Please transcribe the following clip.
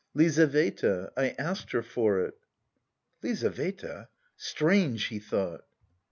"Lizaveta, I asked her for it." "Lizaveta! strange!" he thought.